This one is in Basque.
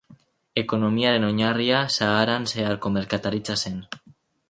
Ekonomiaren oinarria Saharan zeharko merkataritza zen.